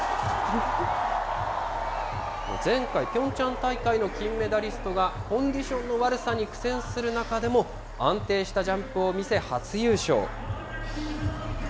前回、ピョンチャン大会の金メダリストがコンディションの悪さに苦戦する中でも、安定したジャンプを見せ、初優勝。